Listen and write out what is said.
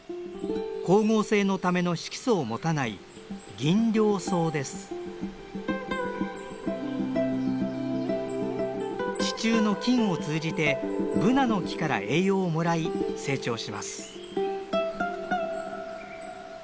光合成のための色素を持たない地中の菌を通じてブナの木から栄養をもらい成長します。